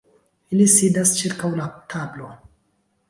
Ili sidas ĉirkaŭ la tablo.